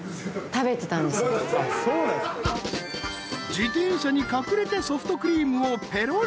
［自転車に隠れてソフトクリームをぺろり］